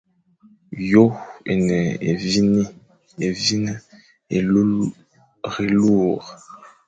Yô e ne évîne, élurélur.